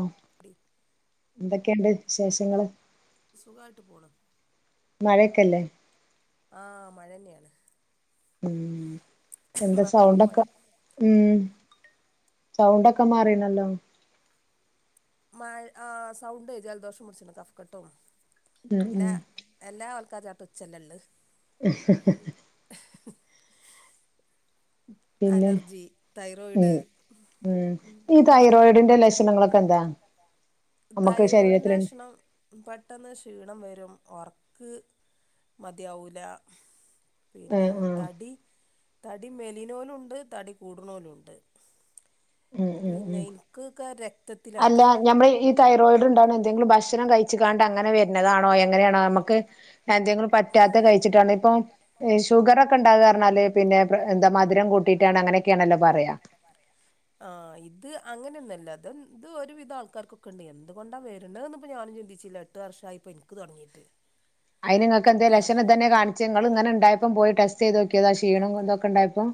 ഓഹ്. [unintelligible] എന്തൊക്കെണ്ട് വിശേഷങ്ങള്. സുഖായിട്ട് പോണ്. മഴക്കല്ലേ? ആഹ് മഴന്നെയാണ്. ഉം എന്താ മക്കളൊക്കെ പോയോ സൗണ്ടൊക്കെ. ഉം സൗണ്ടൊക്കെ മാറിണല്ലോ. മഴ ആ സൗണ്ട് ജലദോഷം പുടിച്ച്ക്ക്ണ് കഫ്ക്കെട്ടും ഉം ഉം ല്ലാ എല്ലാ ആൾക്കാരെ ചാർട്ടും ഇച്ചല്ലെള്ളത്. പിന്നെ അലർജി തൈറോയിഡ്. ഉം ഉം ഈ തൈറോയിഡിന്റെ ലക്ഷണങ്ങളൊക്കെ എന്താ? നമുക്ക് തൈറോയ്ഡിന്റെ ശരീരത്തിലുണ്ട് ലക്ഷണം. പെട്ടെന്ന് ക്ഷീണം വരും ഒർക്ക് മതിയാവൂല. ആ പിന്നെ ആ തടി തടി മെലിണോലൂണ്ട്. തടി കൂട്ണോലൂണ്ട്. ഉം ഉം പിന്ന ഉം ഇൻക്ക് കാര അല്ല ഞമ്മ്ള ഇ തൈറോയ്ഡ് ഇണ്ടാണെ എന്തെങ്കിലും ഭക്ഷണം കഴിച്ച് കാണ്ട് അങ്ങനെ വര്ണതാണൊ എങ്ങനേണ് നമ്മക്ക് എന്തെങ്കിലും പറ്റാത്ത കഴ്ച്ച്ട്ടാണ് ഇപ്പൊ ഷുഗറൊക്ക ഇണ്ടാക അർഞ്ഞാല് പിന്നെ എന്ത മധുരം കൂട്ടീട്ടാണ് അങ്ങനെക്കാണലൊ പറയ ആഹ് ഇത് അങ്ങനൊന്നല്ല ഇത് ഒരുവിധം ആൾക്കാർക്കൊക്കണ്ട് എന്ത് കൊണ്ട വര്ണ ഇപ ഞാനും ചിന്തി ച്ചില എട്ട് വർഷായി ഇപ്പ ഇൻക്ക് തൊട്ങ്ങീട്ട് അയിന് ഇങ്ങക്കെന്തെ ലഷണം ഇതെന്നെ കാണിച്ചെ ഇങ്ങള് ഇങ്ങനണ്ടായപ്പൊ പോയി ടെസ്റ്റീതോക്ക്യത ക്ഷീണം ഇതൊക്ക ഇണ്ടായപ്പൊ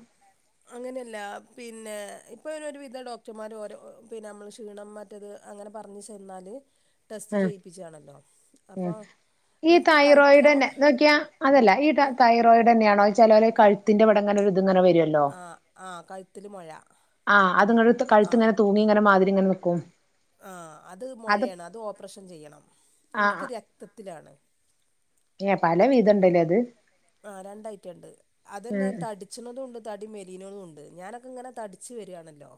അങ്ങനെല്ലാ പിന്നെ ഇപ്പൊ ഒരു വിധ ഡോക്ടർമാര് ഓരൊ പിന്ന നമ്മളെ ക്ഷീണം ത് അങ്ങനെ പർഞു ചെന്നാല് ടെസ്റ്റ് ആഹ് ചെയ്യിപ്പിച്ചാണല്ലൊ ഉം അപ്പോ ഈ തൈറോയ്ഡെന്നെ നോക്ക്യാ അതല്ല ഈ തയ് റോയ്ഡെന്ന്യാണൊ ചെലോല ഈ കഴ്ത്തിന്റെവിടങ്ങനൊര് ഇത്ങ്ങനെ വര ആഹ് ആഹ് കഴ്ത്തില് മൊഴ ആഹ് അത് ഇങ്ങട് കഴുത്ത് ഇങ്ങന തൂങ്ങി ഇങ്ങനെ മാതിരി ഇങ്ങന നിക്കും ആഹ് അത് മൊഴേണ് അത് ഓപ്പ്റേഷം ചെയ്യണം ഇൻക്ക് ആഹ് രക്തത്തിലാണ് ഏഹ് പല വിധം ഇണ്ട്ലെ അത് ആഹ് രണ്ടയ്റ്റണ്ട് അതെന്നെ ഉം തടി ച്ച്ണതൂണ്ട് തടി മെലീണതൂണ്ട് ഞാനൊക്ക ഇങ്ങന തടിച്ച് വരാണലോ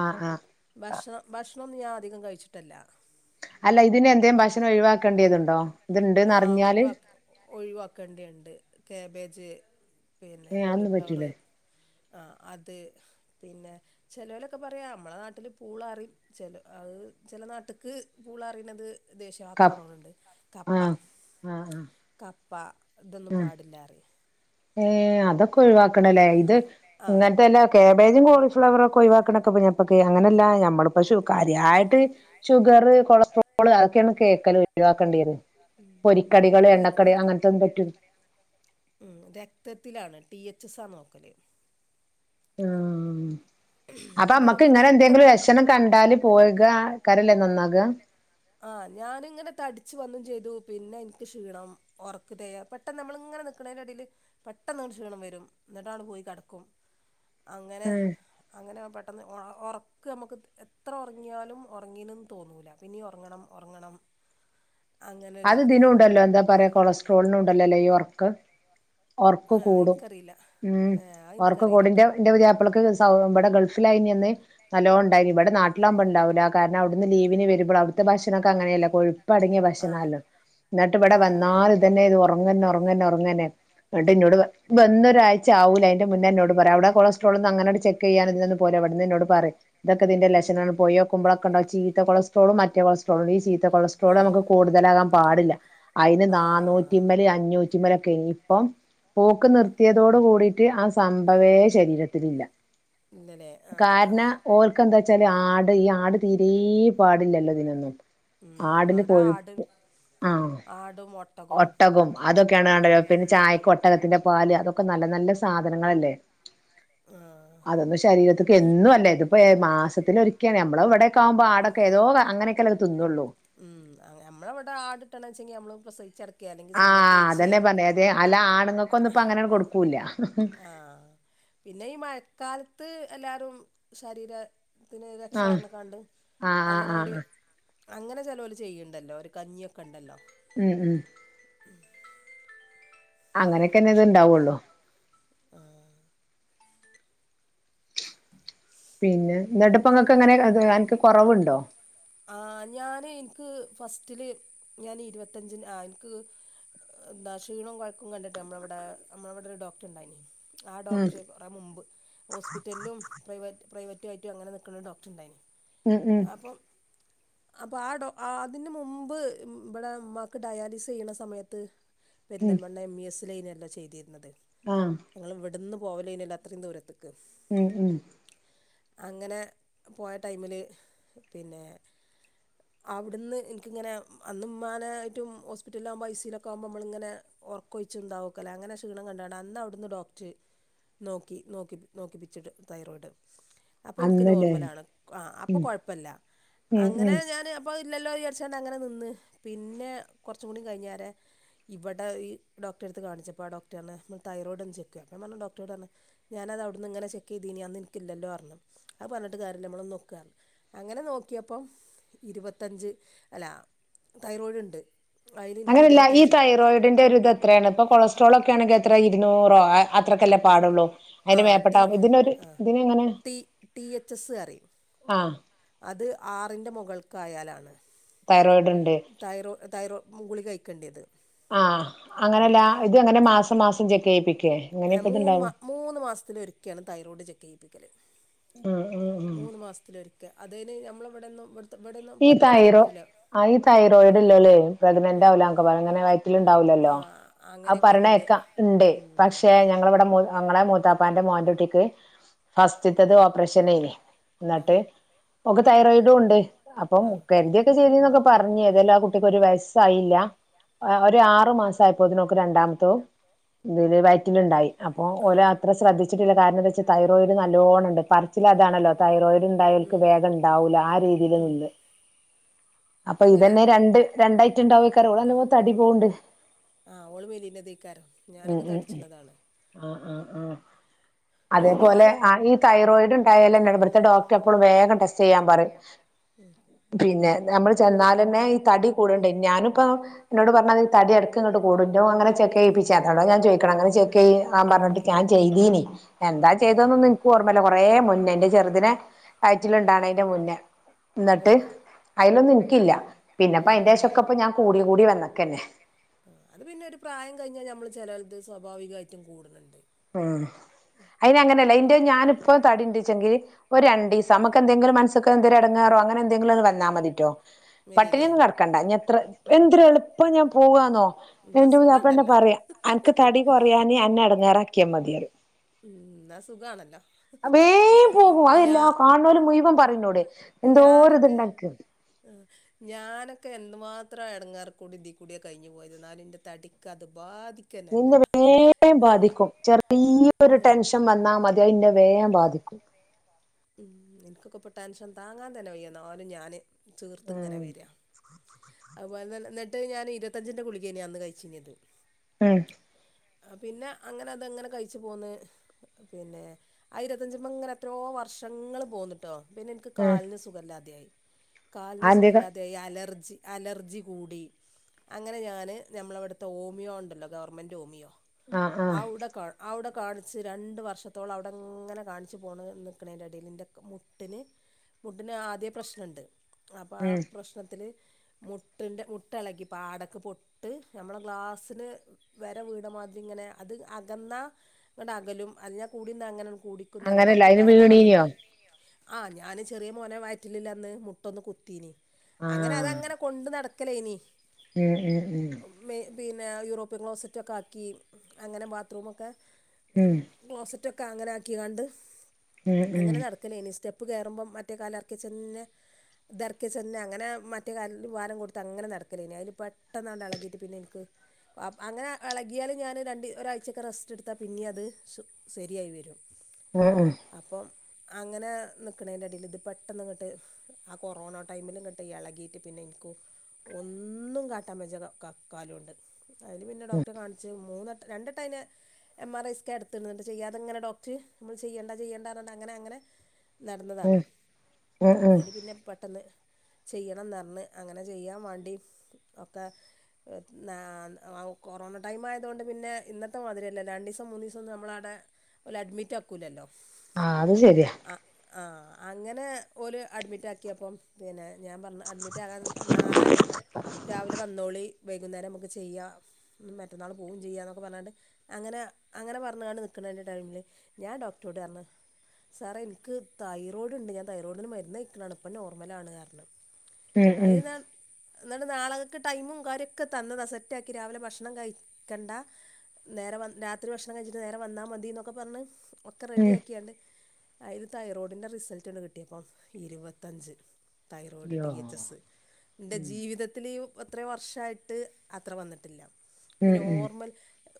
ആഹ് ആഹ് ഭഷ്ണം ഭഷ്ണൊന്നും ഞാൻ അധികം കഴിച്ചിട്ടല്ല അല്ല ഇതിനെന്തേം ഭഷ്ണം ഒഴിവാക്കേണ്ട്യേത്ണ്ടൊ ഇത്ണ്ട്ന്നർഞ്ഞാല് ഒഴിവാക്കേണ്ട്യേണ്ട് കാബേജ് പിന്ന ഏഹ് അതൊന്നും കോളിഫ്ലവറ് പറ്റൂലേ ആഹാ അത് പിന്ന ചെലോലക്ക പറിം നമ്മള നാട്ടില് പൂളറിം ചെലൊ അയ് ചെല നാട്ട്ക്ക് പൂളാ അറിണത് കപ്പ് ദേശീയവാക്കണുണ്ട് കപ്പ ആഹ് ആഹ് ആഹ് കപ്പ ഇതൊന്നും പാടില്ലാറിം ഏഹ് അതൊക്ക ഒഴിവാക്കണലെ ഇത് ആ ഇങ്ങൻത്തല്ല കാബേജും കോളിഫ്ലവറൊക്ക ഒഴിവാക്കണൊക്ക ഞപ്പക്ക് അങ്ങനല്ല നഞമ്മളിപ്പു കാര്യായിട്ട് ഷുഗറ് കൊളസ്ട്രോള് അതൊക്കേണ് കേക്കല് ഒഴിവാക്കണ്ട്യേത് ഉം ഉം പൊരിക്കടികള് ഇത് എനിക്ക് എണ്ണക്കടി അങ്ങൻത്തൊന്നും പറ്റു രക്തത്തിലാണ് ടി എച്ച് എസ്സ നോക്കല് ആഹ് അപ്പ ഇത് ഞമ്മക്ക് ഇങ്ങനെ പെട്ടെന്ന് എന്തേങ്കിലും ലക്ഷണം കണ്ടാല് പോക കാരലെ നന്നാക ആഹ് ഞാന്ങ്ങനെ തടിച്ച് വന്നും ചെയ്തു പിന്ന ഇൻക്ക് ക്ഷീണം ഒർക്ക്തേയ പെട്ടന്ന് നമ്മള് ഇങ്ങന നിക്ക്ണേന്റ എടേല് പെട്ടെന്ന ക്ഷീണം വരും ഇന്നിട്ടൺ പോയി കടക്കും അങ്ങനെ ഉം അങ്ങനെ പെട്ടെന്ന് ഒറക്ക് ഞമ്മക്ക് എത്ര ഒറങ്ങിയാലും ഒറങ്ങീന്ന് തോന്നൂല്ല പിന്നീം ഒർങ്ങണം ഒർങ്ങണം അത് ഇതിനൂണ്ടലൊ എന്ത പറയ കൊളസ്ട്രോളിനു ഉണ്ടലലെ ഈ ഒർക്ക് ഒർക്ക് ആഹ് കൂടും എനിക്കറിയില്ല ഉം ഏഹ് അത് ഒർക്ക് കൂടും ഇന്റ എനിക്കറിയില്ലട്ടോ ഇന്റ പുത്യാപ്പ്ളക്ക് തവ് ഇവടെ ഗൾഫിലായ്നന്ന് തലോ ഇണ്ടായ്ന് ഇവടെ നാട്ട്ലാവ്മ്പണ്ടാവൂല കാര്ണം അവിടുന്ന് ലീവിന് വരുമ്പ അവ്ട്ത്ത ഭക്ഷണൊക്ക അങ്ങനല്ല കൊഴ്പ്പ് അടങ്ങിയ ഭക്ഷണം ആഹ് ഇന്നിട്ട് ഇവടെ ആഹ് ആഹ് ആഹ് വന്നാലും ഇതന്നെ ഇത് ഒർങ്ങന്നെ ഒർങ്ങന്നെ ഒർങ്ങന്നെ എന്ന്ട്ട് ഇന്നോട് വന്നൊരാഴ്ച ആവൂല അയിന്റെ മുന്നെ ഇന്നോട് പറിം അവടെ കൊളസ്ട്രോളൊന്നും അങ്ങനട് ചെക്കീയ്യാന ഇതിനൊന്നു പോവൂല ഇവ്ട്ന്ന് ഇന്നോട് പറിം ഇതൊക്ക ഇതിന്റെ ഉം ലക്ഷണ പോയോക്കമ്പ്ള ഒക്കണ്ടാവും ചീത്ത കൊളസ്ട്രോളും മറ്റെ കൊളസ്ട്രോളും ഈ ചീത്ത കൊളസ്ട്രോള് ആഹ് ഞമ്മക്ക് കൂടുതലാകാൻ പാടില്ല അതിന് ആഹ് നാന്നൂറ്റി മേല് അഞ്ഞൂറ്റി റ്റിമേലൊക്കെ ഇപ്പം പോക്ക് നിർത്തിയതോട് കൂടിട്ട് ആ സംബവേ ശരീരത്തിലില്ല ഇല്ലല്ലേ ആഹ് കാരണം ഓൾക്ക് എന്താ വെച്ചാല് ആട് ഈ ആട് തീരി പാടില്ലല്ലോ ഇതിനൊന്നും ഉം ആടിന് അവിടെ കൊഴു ആട് ആ ആടും ഒട്ടകവും ഒട്ടകും അതൊക്കെയാണ് കണ്ട പിന്നെ ചായക്ക് ഒ ഒട്ടകത്തിന്റെ പാല് അതൊക്കെ നല്ല നല്ല സാധനങ്ങളല്ലേ അല്ലെ ആഹ് അതൊന്നും ശരീരത്തിക്ക് എന്നും അല്ലേ. ഇതിപ്പോ മാസത്തിൽ ഒരിക്കലാണ് നമ്മള് ഇവിടെക്കെ ആകുമ്പോ ആട് ഏതോ അങ്ങനൊക്കെ അതു തിന്നോള്ളൂ ഉം നമ്മളവിടെ ആടിട്ടണങ്കി നമ്മള് പ്രസവിച്ചെ ആഹ് അതന്നെ പറഞ്ഞെ അതെ അല്ല ആണുങ്ങൾക്ക് ഒന്നും ഇപ്പ അങ്ങനെ കൊടുക്കൂല്ല ആഹ് പിന്നെ ഈ മഴക്കാലത്ത് എല്ലാരും ശരീര ത്തിന് ആഹ് രക്ഷാർന് കണ്ട് ആഹ് ആഹ് അങ്ങനെ ഒരു ആഹ് അങ്ങനെ ചെലോര് ചെയ്യുന്നുണ്ടല്ലോ ഒരു കഞ്ഞിയൊക്കെ ഉണ്ടല്ലോ ഉം ഉം അങ്ങനെയൊക്കെന്നെ ഇത് ഇണ്ടാവുള്ളു ആഹ് പിന്നെ എന്നിട്ടിപ്പ ഇങ്ങക്ക് എങ്ങനെ അനക്ക് കുറവുണ്ടോ ആ ഞാന് എനിക്ക് ഫസ്റ്റില് ഞാൻ ഇരുപത്തഞ്ചിന് ആ എനിക്ക് എന്താ ക്ഷീണവും കുഴപ്പവും കണ്ടിട്ട് നമ്മളവിടെ നമ്മളവിടെ ഒരു ഡോക്ടർ ഉണ്ടായിനി ആ ഉം ഡോക്ടർ മുൻപ് ഹോസ്പിറ്റലും പ്രൈവറ്റ് പ്രൈവറ്റും ആയിട്ടും അങ്ങനെ നിൽക്കണ ഡോക്ടർ ഉണ്ടായിന് ഉം ഉം അപ്പൊ ആ ഡോ അതിന് മുമ്പ് ഇവിടെ ഉമ്മാക്ക് ഡയാലിസ് ചെയ്യണ സമയത്ത് ഉം പെരിന്തൽമണ്ണ എം ഇ എസ് ലൈനില്ലോ ചെയ്തിരുന്നത് ആഹ് ഞങ്ങള് ഇവിടുന്ന് പോവല് കഴിഞ്ഞാൽ അത്രയും ദൂരത്തക്ക്. ഉം ഉം അങ്ങനെ പോയ ടൈമില് പിന്നെ അവിടുന്ന് എനിക്കിങ്ങനെ അന്ന് ഉമ്മാന ആയിട്ടും ഹോസ്പിറ്റല് ആകുമ്പോൾ ഐ സിയിലൊക്കെയാകുമ്പോൾ നമ്മളിങ്ങനെ ഉറക്കൊഴിച്ച് ഇന്താവക്കല്ലേ അങ്ങനെ ക്ഷീണം കണ്ടാണ് അന്ന് അവിടുന്ന് ഡോക്ടർ നോക്കി നോക്കി നോക്കിപ്പിച്ചിട്ട് തൈറോയിഡ് അപ്പോൾ എനിക്ക് അന്നല്ലേ നോർമലാണ് അപ്പോ ഉം കുഴപ്പില്ല ഉം അങ്ങനെ ഉം ഞാൻ അപ്പൊ ഇല്ലല്ലോ വിചാരിച്ച് കൊണ്ട് അങ്ങനെ നിന്ന് പിന്നെ കുറച്ചും കൂടി കഴിഞ്ഞാര് ഇവിടെ ഈ ഡോക്റെടുത്ത് കാണിച്ചപ്പോൾ ആ ഡോക്ടറെന്ന് തൈറോയ്ഡ് ഒന്ന് ചെക്ക് ചെയ്യാൻ ഞാൻ പറഞ്ഞ് ഡോക്ടറോട് പറഞ്ഞ് ഞാനത് അവിടുന്ന് ഇങ്ങനെ ചെക്ക് ചെയ്തിനി അന്ന് എനിക്കില്ലല്ലോ പറഞ്ഞു. അത് പറഞ്ഞിട്ട് കാര്യല്ല നമ്മളൊന്ന് നോക്കുക. അങ്ങനെ നോക്കിയപ്പം ഇരുപത്തഞ്ച് അല്ല തൈറോയ്ഡ് ഉണ്ട് അതിൽ എനിക്ക് അങ്ങനെയല്ല ഈ ഇരുപത്തഞ്ച് തൈറോയിഡിന്റെ ഒരിത് എത്രയാണ് ഇപ്പോ കൊളസ്ട്രോൾ ഒക്കെ ആണെങ്കിൽ എത്ര ഇരുന്നൂറോ അത്രയ്ക്കല്ലേ പാടുള്ളൂ ആ അതിന് മേപ്പെട്ട ടി ഇതിനൊരു ആ ഇതിന് എങ്ങനെ ടി ടി എച്ച് എസ് പറയും ആഹ് അത് ആറിന്റെ മുകൾക്കായാലാണ് തൈറോയിഡ് ഉണ്ട് തൈറോ തൈറോ കുളിക കഴിക്കേണ്ടിയത് ആഹ് അങ്ങനെല്ല ഇത് അങ്ങനെ മാസം മാസം ചെക്ക് ചെയ്യിപ്പിക്കേ എങ്ങനെ ഏ ഇപ്പ മൂന്ന് ഇത്ണ്ടാവും മൂന്ന് മാസത്തില് ഒരുക്കെയാണ് തൈറോയിഡ് ചെക്ക് ചെയ്പ്പിക്കല് ആഹ് ആഹ് ആഹ് മൂന്ന് മാസത്തിലൊരിക്ക അതിന് നമ്മള് ഇവിടെയൊന്നും ഇ ഇവിടെയൊന്നും ഈ പെട്ടെന്ന് തൈറോ കിട്ടൂല ആ ഈ തൈറോയിഡ് ഇല്ലോര് പ്രഗ്നന്റ് ആവില്ലന്ന്ഒക്കെപറ അങ്ങനെ വയറ്റിൽ ഉണ്ടാവില്ലല്ലോ ആ ആ അങ്ങനെയൊക്കെ ഉണ്ട് പറണയെക്കാം ഇണ്ടെ ഉം, പക്ഷെ ഏ ആ ഞങ്ങളിവിടെ ഞങ്ങളെ മൂത്താപ്പാന്റെ മോന്റെ കുട്ടിക്ക് ഫസ്റ്റിത്തത് ഓപ്പറേഷൻ ആയിനി ആ എന്നിട്ട് ഓക്ക് തൈറോയിഡും ഉണ്ട് അപ്പം ആ കരുതിയൊക്കെ ചെയ്തിന്നൊക്കെ പറഞ്ഞ് ഏതോലും ആഹ് കുട്ടിക്ക് ഉം, ഒരു വയസ്സായില്ല ആഹ് ഒരു ആറു മാസം ആയപ്പോ ഇതിന് ഓക്ക് രണ്ടാമത്തും ഇതില് വയറ്റിലുണ്ടായി അപ്പോ ആ ഓല അത്ര ശ്രദ്ധിച്ചിട്ടില്ല കാരണം എന്താ വച്ചാ തൈറോയിഡ് നല്ലോണം ഇണ്ട്. മനസ്സില് അതാണല്ലോ തൈറോയിഡ് ഇണ്ടായോൽക്ക് ഉം. വേഗം ഉണ്ടാവൂല്ല ആഹ് രീതിലേനി ഉം. അപ്പൊ അങ്ങനെ ഇതന്നെ രണ്ട് രണ്ടായിട്ട് ഇണ്ടാവേക്കാരം ഓള് നല്ലോം തടി പോവ്ണ്ട് ആഹ് ഓള് മെലിന്നതേക്കാരം ഉം ഞാനൊക്കെ ഉം ഉം തടിച്ചുന്നതാണ് ആഹ് ആഹ് ആഹ് അതേപോലെ ഞാനും ആഹ് ഈ തൈറോയിഡ് ഇണ്ടായാലന്നെ ഇവിടത്തെ ഡോക്ടർ എപ്പോളും വേഗം ടെസ്റ്റ് ചെയ്യാൻ പറയും ഉം പിന്നെ നമ്മള് ചെന്നാല് തന്നെ ഈ തടി കൂട്ണ്ടേ ഞാനിപ്പോ ഇന്നോട് പറഞ്ഞത് ഈ തടി എടക്ക് ഇങ്ങക്ക് കൂടും ഇന്റോം അങ്ങനെ ചെക്ക് ചെയ്യിപ്പി ചേ അതോട ഞാൻ ചോദിക്ക്ണ അങ്ങനെ [unintelligible] ഞാൻ ചെയ്തീനി എന്താ ഇതൊന്നും ഇൻ ഇൻക്ക് ഓർമ്മല്ല കുറേ മുന്നേ ഇന്റെ ചെറുതിനെ വയറ്റിലുണ്ടാവ്ന്നതിന്റെ മുന്നേ ഇന്നട്ട് അയിലൊന്നും ഇൻക്കില്ല പിന്നെപ്പം അയിന്റെ ശേഷം ഒക്കെ ഇപ്പം ഞാൻ കൂടി കൂടി വന്നക്കെന്നെ ആഹ് അത് പിന്നെ ഒരു പ്രായം കഴിഞ്ഞാൽ നമ്മൾ ചേലോല്ത് സ്വാഭാവികമായിട്ടും കൂടുന്ന്ണ്ട് ഉം അയിന് അങ്ങനെയല്ല ഇന്റെ ഞാനിപ്പ തടി ഇണ്ടച്ചെങ്കില് ഒരു രണ്ടീസം നമക്ക് എന്തെങ്കിലും മനസ്സ്ക്ക് എന്തേലും എടങ്ങേറോ അങ്ങനെ എന്തെങ്കിലും ഒന്ന് വന്നാൽ മതിറ്റോ മെലിയില്ലേ പട്ടിണിയൊന്നും കടക്കണ്ട ഇനി എത്ര എന്തൊരു എളുപ്പം ഞാൻ പോവാന്നോ എന്നാ എന്റെ പുതിയാപ്ല തന്നെ സുഖമുണ്ടല്ലോ പറയാ അനക്ക് തടി കൊറയാന് അന്നെ എടങ്ങാറാ എന്ന സുഖാണല്ലോ വേം പോകും അഹ് ഞാ എല്ലാ കാന്നോല്ല് മുഴുവൻ പറയും ഇന്നോട് എന്തോ ഒര് ഇതുണ്ടൻക്ക് ആഹ് ഞാനൊക്കെ എന്ത് മാത്രം എടങ്ങേറ് കൂടി ഇതീകൂടി കഴിഞ്ഞു പോയത് എന്നാലും എൻ്റെ തടിക്ക് അത് ബാധി ഇന്നെ വേം ബാധിക്കും ചെറിയൊരു ഞാ ടെൻഷൻ [unintelligible] വന്നാ മതി അഹ് ഇന്നെ വേം ബാധിക്കും ഉം ഇൻക്കൊക്കെ ഇപ്പൊ ടെൻഷൻ താങ്ങാൻ തന്നെ വയ്യ എന്നാലും ഞാന് ചീർത്ത് ഇങ്ങനെ ഉം വരാ അത്പോലെ തന്നെ ഇന്നട്ട് ഞാന് ഇരുപത്തി അഞ്ചിൻ്റെ ഗുളികേനി അന്ന് കഴിച്ചിനത് ഉം ആഹ് പിന്നെ അങ്ങനെ അതെങ്ങനെ കഴിച്ചു പോന്ന് പിന്നെ ആഹ് ഇരുപത്തി അഞ്ചണ്ണം ഇങ്ങനെ എത്രയോ വർ ഞങ്ങൾ പോന്ന്ട്ടോ പിന്നെ ഇൻക്ക് ഉം കാലിന് സുഖല്ലാതെ ആയി കാലിന് ആന്തേക സുഖല്ലാതെ ആയി അലർജി അലർജി കൂടി അങ്ങനെ ഞാന് നമ്മളെവിടത്തെ ഓമിയോ ഉണ്ടല്ലോ ഗവൺമെൻ്റ് ഓമിയോ ആഹ് ആഹ് അവ്ടെ കാ അവ്ടെ കാണിച്ച് രണ്ട് വർഷത്തോളം അവിടെങ്ങനെ കാണിച്ച് പോണ് നി ക്ക്ന്നേൻ്റെ എടയില് ഇൻ്റെ മുട്ടിന് മുട്ടിന് ആദ്യ പ്രശ്നണ്ട് അപ്പം ആഹ് ഉം പ്രശ്നത്തില് മുട്ടിൻ്റെ മുട്ട എളകി പാടക്ക് പൊട്ട് നമ്മളെ ഗ്ലാസ്സിന് വര വീണ മാതിരി ഇങ്ങനെ അത് അകന്ന ഇങ്ങട്ട് അകലും അത് ഞാൻ കൂടിന്ന അങ്ങനെ കൂടി ക്കുന്നാണ് അങ്ങനെയല്ല ഡോക്ടർ അയിന് ഉദാഹര വീണീനോ ആഹ് ഞാന് ചെറിയ മോനെ വയറ്റിലില്ല അന്ന് മുട്ടൊന്ന് കുത്തീനി അങ്ങനെ ആഹ് അതങ്ങനെ കൊണ്ട് നടക്കലേനി ഉം ഉം ഉം മെ പിന്നെ യൂറോപ്യൻ ക്ലോസെറ്റൊക്കെ ആക്കി അങ്ങനെ ബാത്ത്റൂമൊക്കെ ഉം ക്ലോസറ്റൊക്കെ അങ്ങനെ ആക്കി കാണ്ട് ഉം ഉം അങ്ങനെ നടക്കലേനി സ്റ്റെപ്പ് കേയറുമ്പം മറ്റേ കാല് അർക്കിവച്ചെന്നെ ഇതറക്കിവച്ചെന്നെ അങ്ങനെ മറ്റേ കാല്ൽ ഭാരം കൊടുത്ത് അങ്ങനെ നടക്കലേനി അയില് പെട്ടന്നാണ്ട് ഇളകിയിട്ട് പിന്നെ ഇൻക്ക് അഹ് അങ്ങനെ എളകിയാൽ ഞാൻ രണ്ട് ഒരാഴ്ചൊക്കെ റെസ്റ്റ് എടുത്താ പിന്നിം അത് സു ശരിയായി വരും ഉം ഉം അപ്പം അങ്ങനെ നിക്ക്ണേന്റെ ഇടയിൽ ഇത് പെട്ടെന്ന് ഇങ്ങോട്ട് ആഹ് കൊറോണ ടൈമിൽ ഇങ്ങട്ട് എളകീട്ട് പിന്നെ എനിക്ക് ഒന്നും കാട്ടാൻ വെജ്ജ കം കാലോണ്ട് അയില് പിന്നെ ഡോക്ടറെ കാണി ച്ച് മൂന്നട്ട രണ്ടട്ട അയിനെ എം ആർ ഐ സ്കാൻ എടുത്തിണ് ചെയ്യാതെങ്ങനെ ഡോക്റ്റ് നമ്മള് ചെയ്യണ്ട ചെയ്യേണ്ടാ പറഞ്ഞാണ്ട് അങ്ങനെ അങ്ങനെ ഉം ഉം ഉം നടന്നതാണ് ഉം അയില് പിന്നെ പെട്ടെന്ന് ചെയ്യണംന്നർഞ്ഞ് അങ്ങനെ ചെയ്യാൻ വേണ്ടി ഒക്കെ ത് നാ കൊറോണ ടൈമായയതോണ്ട് പിന്നെ ഇന്നത്തെ മാതിരിഅല്ലല്ലോ രണ്ടീസം മൂന്നീസൊന്നും നമ്മളവിടെ ഓല് അഡ്മിറ്റാക്കൂലല്ലോ ആഹ് അത് ശരിയാ ആഹ് ആഹ് അങ്ങനെ ഓല് അഡ്മിറ്റ് ആക്കിയപ്പം പിന്നെ ഞാൻ പറഞ്ഞു അഡ്മിറ്റാകാൻ നാളെ രാവിലെ വന്നോളി വൈകുന്നേരം നമുക്ക് ചെയ്യാ മറ്റന്നാള് പോവൂ ചെയ്യാ എന്നൊക്കെ പറഞ്ഞാണ്ട് അങ്ങന അങ്ങന പറഞ്ഞാണ്ട് നിക്കണാ ടൈമില് ഞാൻ ഡോക്ടറോട് പറഞ്ഞു സാറെ ഇൻക്ക് തൈറോയ്ഡ്ണ്ട് ഞാൻ തൈറോയിഡിന് മരുന്നൈക്കണാണ് ഇപ്പം നോർമലാണ് പർഞ്ഞു ഉം ഉം അയില് ഞാൻ എന്ന നാളകക്ക് ടൈമും കാര്യോക്കെ തന്നതാ സെറ്റാക്കി രാവിലെ ഭക്ഷണം കയിക്കണ്ട നേരെ വ രാത്രി ഭക്ഷണം കഴിച്ചിട്ട് നേരെ വന്നാ മതിന്നൊക്കെ പറഞ്ഞ് ഒക്കെ റെഡി ഉം ആക്കിയാണ്ട് അയ്ല് തൈറോയ്ഡിൻ്റെ റിസൾറ്റ്ണ്ട് കിട്ടിയപ്പോ ഇരുവത്തഞ്ച് തൈറോയിഡ് യ്യോ ടി എച്ച് എസ് എൻ്റെ ഉം ജീവിതത്തില് യു അത്ര വർഷമായിട്ട് അത്ര വന്നിട്ടില്ല ഉം പിന്നെ ഉം നോർമ്മൽ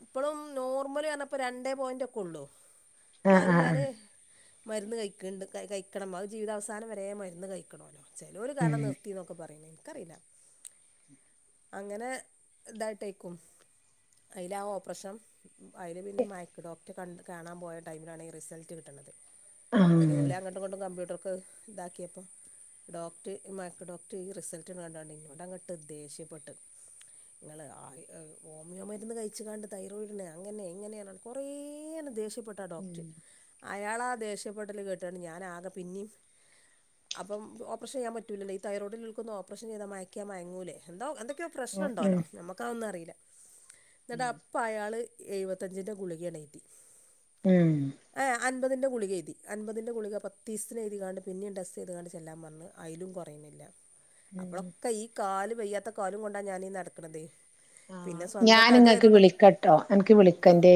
ഇപ്പളും നോർമല് പറഞ്ഞപ്പോള് രണ്ടേ പോയിന്റ് ഒക്കെ ഒള്ളൂ ആഹ് ന്നാലും ആഹ് ഞാന് ആഹ് മരുന്ന് കയിക്ക്ണ്ട് കയിക്കണം അത് ജീവിതാവസാനം വരെ മരുന്ന് കയിക്കണോലോ ചെലോര് ഉം കാരണം നിർത്തിന്നൊക്കെ പറയും എനിക്കറിയില്ല അങ്ങനെ ഇതായിട്ടേക്കും അയിലാ ഓപ്പറഷം അയ്ല് പിന്നെ മയക്ക് ഡോക്ടറെ കണ്ട കാണാൻ പോയ ടൈമിലാണ് ഈ റിസൾട്ട് കിട്ടണത് ആഹ് അതില് ഉം ഓലങ്ങണ്ടും ഇങ്ങണ്ടും കമ്പ്യൂട്ടർക്ക് ഇതാക്കിയപ്പം ഡോക്ടർ മയക്ക് ഡോക്ടർ ഈ റിസൾട്ട്കണ്ടാണ്ട് ഇന്നോടങ്ങട്ട് ദേഷ്യപ്പെട്ട് ങ്ങള് അ ഇ ഓമിയോ മരുന്ന് കഴിച്ച്ങ്ങാണ്ട് തൈറോയിഡിന അങ്ങനെ ഇങ്ങനെ പറഞ്ഞാണ്ട് കൊറേആണ്ട് ദേഷ്യപ്പെട്ടാഡോക് റ്റ് അയാളാ ദേഷ്യപ്പെട്ടല് കേട്ടുകാണ്ട് ഞാനാകെ പിന്നിം അപ്പം ഓപ്പർഷൻ ചെയ്യാൻ പറ്റൂലല്ലോ ഈ തൈറോഡിള്ളള്ക്കൊന്നും ഓപ്പറേഷൻ ചെയ്താ മയക്ക്യ മയങ്ങൂല്ലേ എന്തോ എന്തൊക്കെയോ ഉം ഉം പ്രശ്നണ്ടോലോ നമുക്കതൊന്നും അറിയില്ല എന്നിട്ടാ അപ്പ അയാള് എഴുപത്തഞ്ചിൻ്റെ ഗുളികാണ് എയ്തി ഉം ആഹ് അൻപതിന്റെ ഗുളിക എയ്തി അൻപതിൻ്റെ ഗുളിക പത്തീസത്തിന് ഏയ്തിക്കാണ്ട് പിന്നെയും ടെസ്റ്റെയ്ത്തികാണ്ട് ചെല്ലാൻ പർഞ്ഞു അയ്ലും കുറയുന്നില്ല അപ്പളൊക്കെ ഈ കാല് വയ്യാത്ത കാലും കൊണ്ടാ ഞാനീ നടക്കണതേ ഞാനിങ്ങക്ക് വിളിക്കട്ടോ എനിക്ക് ആ വിളിക്കന്റെ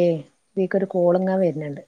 ഇക്കൊരു കോളിങ്ങനെ വര്ന്ന്ണ്ട്